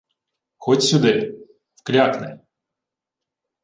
— Ходь сюди... Вклякни.